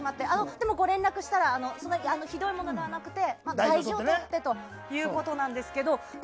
でも、ご連絡したらそんなにひどいものではなくて大丈夫ということなんですけど。